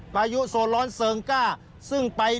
พายุโสล้อนเสิร์นก้าซึ่งไป